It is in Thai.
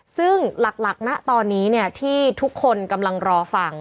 ซึ่งหลักณตอนนี้ที่ทุกคนกำลังรอฟัง